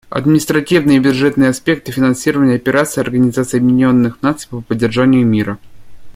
Административные и бюджетные аспекты финансирования операций Организации Объединенных Наций по поддержанию мира.